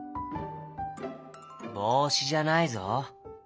「ぼうしじゃないぞ」。